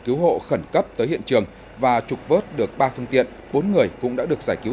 cứu hộ khẩn cấp tới hiện trường và trục vớt được ba phương tiện bốn người cũng đã được giải cứu